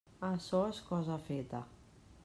Açò és cosa feta.